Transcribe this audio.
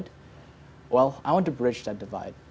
saya ingin mengatasi perkembangan itu